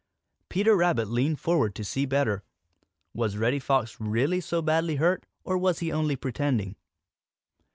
Peter Rabbit leaned forward to see better. Was Reddy Fox really so badly hurt, or was he only pretending?